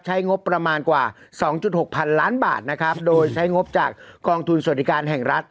งบประมาณกว่า๒๖พันล้านบาทนะครับโดยใช้งบจากกองทุนสวัสดิการแห่งรัฐ